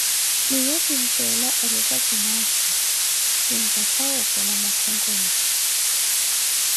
miiyo quinttela oretta jinastica, kintakha wookola makhonkolo.